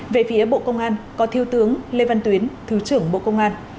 về phía bộ công an có thiếu tướng lê văn tuyến thứ trưởng bộ công an